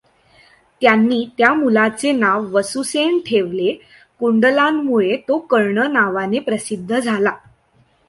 त्यांनी त्या मुलाचे नाव वसुसेन ठेवले, कुंडलांमुळे तो कर्ण नावाने प्रसिद्ध झाला.